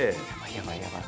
やばいやばい。